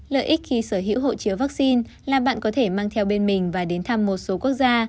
lợi ích khi sở hữu hộ chiếu vaccine là bạn có thể mang theo bên mình và đến thăm một số quốc gia